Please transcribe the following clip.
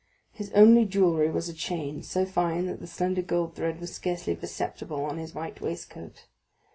His only jewellery was a chain, so fine that the slender gold thread was scarcely perceptible on his white waistcoat.